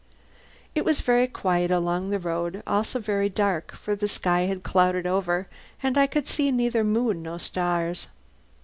It was very quiet along the road, also very dark, for the sky had clouded over and I could see neither moon nor stars.